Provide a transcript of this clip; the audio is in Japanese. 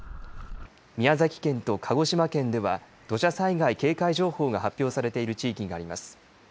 宮崎県と鹿児島県では土砂災害警戒情報が発表されている地域があります。